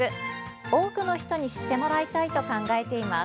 多くの人に知ってもらいたいと考えています。